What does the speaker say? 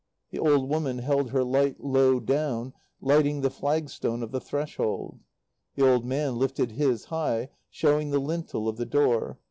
The old woman held her light low down, lighting the flagstone of the threshold. The old man lifted his high, showing the lintel of the door.